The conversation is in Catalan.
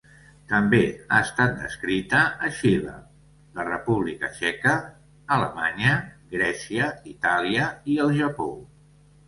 També ha estat descrita a Xile, la República Txeca, Alemanya, Grècia, Itàlia i el Japó.